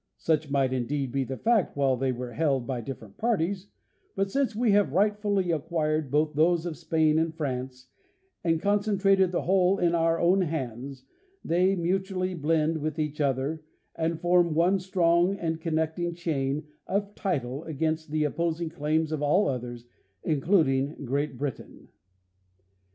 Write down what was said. Such might indeed be the fact while they were held by different parties, but since we have rightfully acquired both those of Spain and France and concentrated the whole in our own hands, they mutually blend with each other and form one strong and connecting chain of title against the opposing claims of all others, includ eng Great Britain."